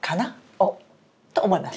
おっ！と思います。